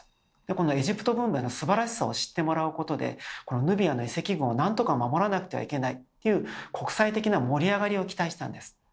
エジプト文明のすばらしさを知ってもらうことでヌビアの遺跡群をなんとか守らなくてはいけないという国際的な盛り上がりを期待したんです。